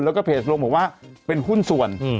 แล้วก็เพจลงบอกว่าเป็นหุ้นส่วน